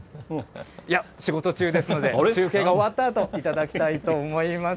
いや、仕事中ですので、中継が終わったあと、頂きたいと思います。